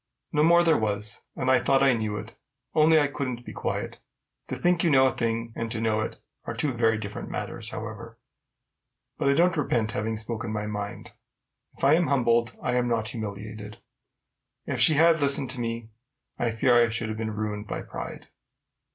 No more there was; and I thought I knew it, only I couldn't be quiet. To think you know a thing, and to know it, are two very different matters, however. But I don't repent having spoken my mind: if I am humbled, I am not humiliated. If she had listened to me, I fear I should have been ruined by pride.